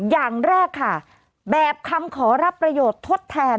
อย่างแรกค่ะแบบคำขอรับประโยชน์ทดแทน